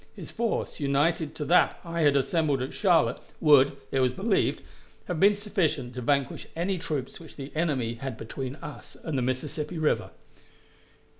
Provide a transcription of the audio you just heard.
His force, united to that I had assembled at Charlotte, would, it was believed, have been sufficient to vanquish any troops which the enemy had between us and the Mississippi River.